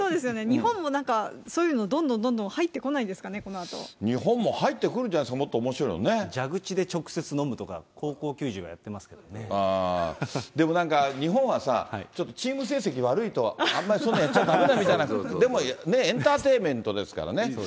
日本もなんかそういうのどんどんどんどん入ってこないんですかね、日本も入ってくるんじゃない蛇口で直接飲むとか、高校球でもなんか、日本はさ、ちょっとチーム成績悪いと、あんまりそんなのやっちゃだめだみたいな、でもね、エンターテインメントですからね。